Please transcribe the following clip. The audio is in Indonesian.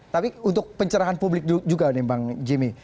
tapi untuk pencerahan publik juga nih bang jimmy